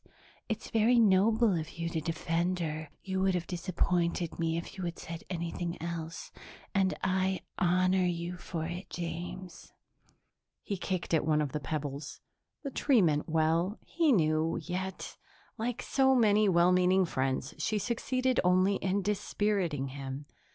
It's very noble of you to defend her; you would have disappointed me if you had said anything else, and I honor you for it, James." He kicked at one of the pebbles. The tree meant well, he knew, yet, like so many well meaning friends, she succeeded only in dispiriting him.